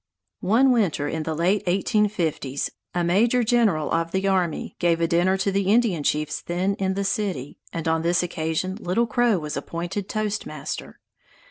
One winter in the late eighteen fifties, a major general of the army gave a dinner to the Indian chiefs then in the city, and on this occasion Little Crow was appointed toastmaster.